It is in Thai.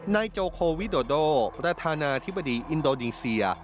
ในโจโควิดโดโดรัฐานาธิบดีอินโดดิงเซีย